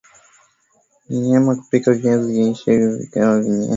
ni nyema kupika viazi lishe vikiwa havija menywa